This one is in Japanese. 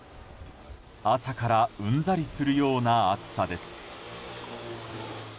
朝からうんざりするような暑さです。